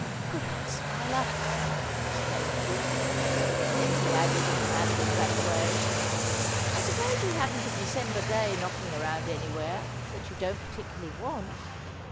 "Good old Smiler!" exclaimed Tibbs. Then he added in a matter of fact way, "I suppose you haven't a December day knocking around anywhere, that you don't particularly want?